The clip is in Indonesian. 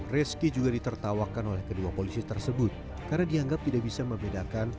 reski juga ditertawakan oleh kedua polisi tersebut karena dianggap tidak bisa membedakan